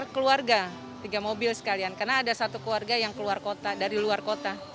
keluarga tiga mobil sekalian karena ada satu keluarga yang keluar kota dari luar kota